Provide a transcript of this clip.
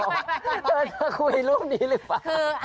เธอคุยรูปนี้หรือเปล่า